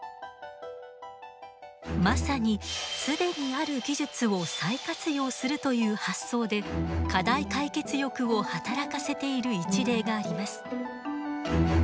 まさに既にある技術を再活用するという発想で課題解決欲を働かせている一例があります。